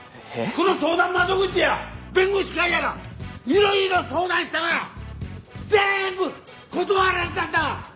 区の相談窓口や弁護士会やらいろいろ相談したが全部断られたんだ！